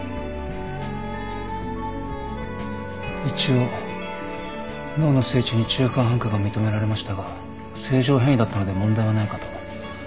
一応脳の正中に中間帆腔が認められましたが正常変異だったので問題はないかと。